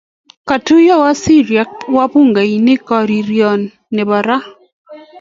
kotuyo waziri ak wabungekariron nepo raa